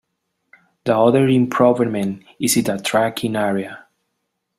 The other improvement is in the tracking area.